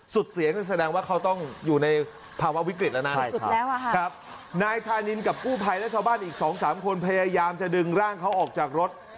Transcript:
สุดเสียงนั่นแสดงว่าเขาต้องอยู่ในภาวะวิกฤตแล้วนะนายธานินกับกู้ภัยและชาวบ้านอีก๒๓คนพยายามจะดึงร่างเขาออกจากรถ